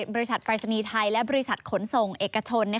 บริษัทปรายศนีย์ไทยและบริษัทขนส่งเอกชน